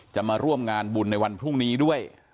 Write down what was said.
จะมาร่วมงานบุญในวันพรุ่งนี้ด้วย